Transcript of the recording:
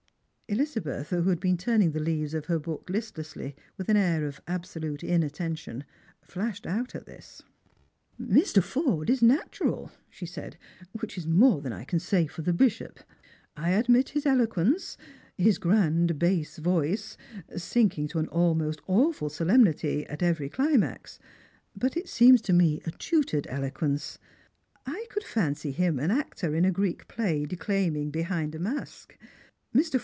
Elizabeth, who had been turning the leaves of her book list lessly with an air of absolute inattention, flashed out at this. " Mr. Forde is natural," she said, " which is more than I can say for the bishop. I admit his eloquence, his grand bass voice, sinking to an almost awful solemnity at every climax. But it Beems to me a tutored eloqufeice. I could fancy him an actor in a Greek play, declaiming behind a mask. Mr.